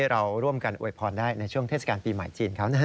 เราร่วมกันอวยพรได้ในช่วงเทศกาลปีใหม่จีนเขานะฮะ